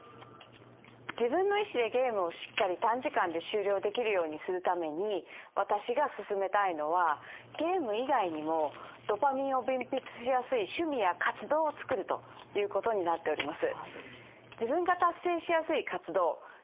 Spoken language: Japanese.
自分の意思でゲームをしっかり短時間で終了できるようにするために私がすすめたいのはゲーム以外にもドパミンを分泌しやすい趣味や活動をつくるということになっております。